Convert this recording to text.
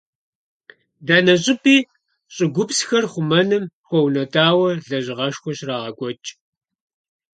Дэнэ щӀыпӀи щӀыгупсхэр хъумэным хуэунэтӀауэ лэжьыгъэшхуэ щрагъэкӀуэкӀ.